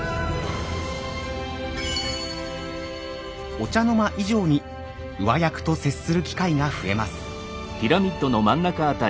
御茶之間以上に上役と接する機会が増えます。